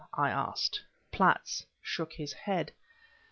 I asked. Platts shook his head.